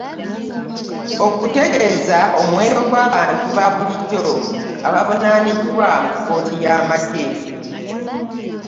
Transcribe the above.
Okututegeeza omuwendo gw'abantu ba bulijjo abavunaaniddwa mu kkooti y'amagye